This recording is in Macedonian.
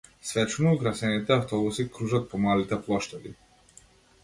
Свечено украсените автобуси кружат по малите плоштади.